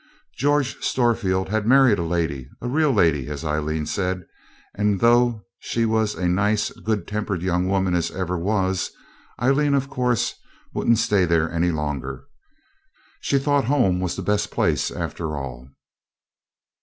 George Storefield had married a lady a real lady, as Aileen said and, though she was a nice, good tempered young woman as ever was, Aileen, of course, wouldn't stay there any longer. She thought home was the best place after all.